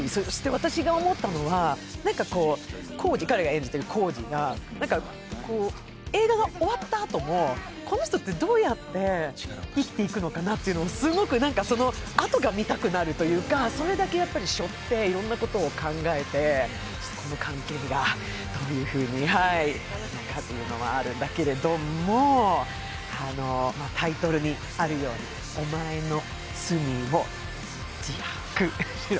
私が思ったのは、彼が演じている晄司が映画が終わったあとも、この人ってどうやって生きていくのかなってあとが見たくなるというか、それだけしょっていろんなことを考えて、その関係がどうなるのかというのはあるんだけど、タイトルにあるように、「おまえの罪を自白しろ」